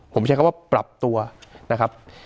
ผมใช้คำว่าปรับตัวนะครับ